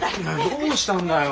どうしたんだよ？